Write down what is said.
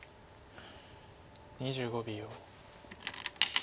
２５秒。